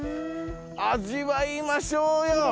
味わいましょうよ。